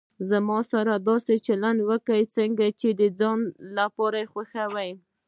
زما سره داسي چلند وکړه، څنګه چي د ځان لپاره خوښوي.